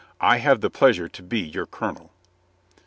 "I have the pleasure to be your colonel."